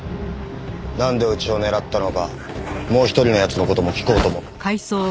なんでうちを狙ったのかもう一人の奴の事も聞こうと思って。